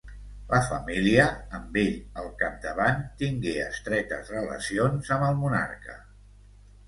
La família, amb ell al capdavant, tingué estretes relacions amb el monarca.